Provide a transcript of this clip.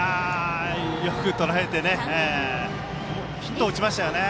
よくとらえてヒットを打ちましたよね。